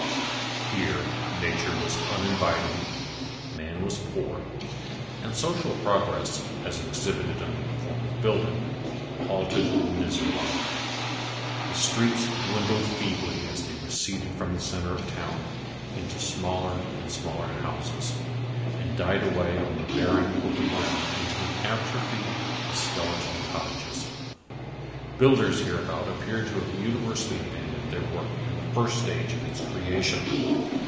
Here nature was uninviting, man was poor, and social progress, as exhibited under the form of building, halted miserably. The streets dwindled feebly, as they receded from the center of the town, into smaller and smaller houses, and died away on the barren open ground into an atrophy of skeleton cottages. Builders hereabouts appeared to have universally abandoned their work in the first stage of its creation.